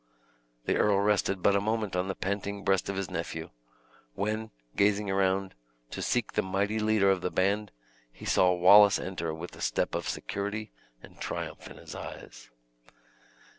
The earl rested but a moment on the panting breast of his nephew; when, gazing round, to seek the mighty leader of the band, he saw Wallace enter, with the step of security and triumph in his eyes.